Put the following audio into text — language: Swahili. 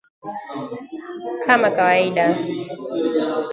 Kama kawaida